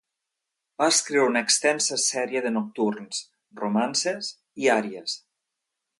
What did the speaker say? Va escriure una extensa sèrie de nocturns, romances i àries.